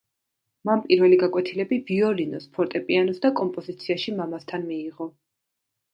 მან პირველი გაკვეთილები ვიოლინოს, ფორტეპიანოს და კომპოზიციაში მამასთან მიიღო.